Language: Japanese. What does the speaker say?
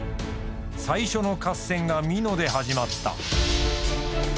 最初の合戦が美濃で始まった。